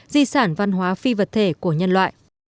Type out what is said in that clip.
di sản văn hóa phi vật thể của nhân loại